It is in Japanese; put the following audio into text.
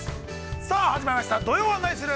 さあ始まりました「土曜はナニする！？」。